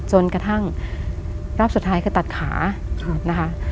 จนกระทั่งรอบสุดท้ายคือตัดขานะคะ